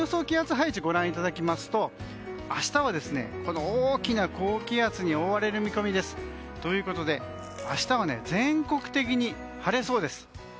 気圧配置をご覧いただきますと明日は大きな高気圧に覆われる見込みです。ということで、明日は全国的に晴れそうです。